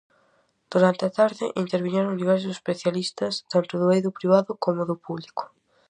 Durante a tarde, interviñeron diversos especialistas, tanto do eido privado coma do público.